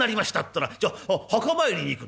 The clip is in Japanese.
ったら『じゃあ墓参りに行く。